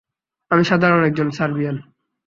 আমি সাধারণ একজন সার্বিয়ান!